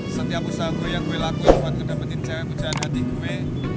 setiap usaha gue yang gue lakuin buat ngedapetin cinta yang pujaan hati gue